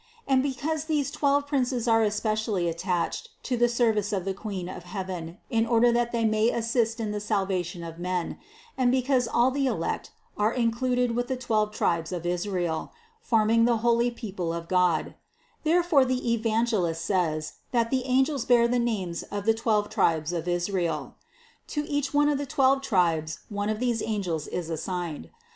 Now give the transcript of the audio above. And because these twelve princes are espe cially attached to the service of the Queen of heaven in order that they may assist in the salvation of men, and because all the elect are included with the twelve tribes of Israel, forming the holy people of God : therefore the Evangelist says that the angels bear the names of the twelve tribes of Israel. To each one of the twelve tribes one of these angels is assigned.